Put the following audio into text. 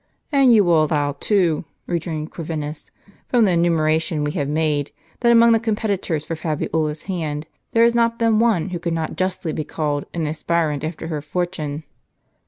"And you will allow, too," rejoined Corvinus, "from the enumeration we have made, that among the competitors for Fabiola's hand, there has not been one who could not justly be rather called an aspirant after her fortune."